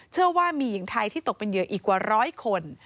เชื่อว่ามีหญิงไทยที่ตกเป็นเหยื่ออีกกว่าร้อยคน